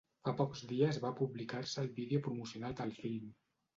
Fa pocs dies va publicar-se el vídeo promocional del film.